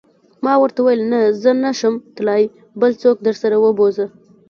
ما ورته وویل: نه، زه نه شم تلای، بل څوک درسره و بوزه.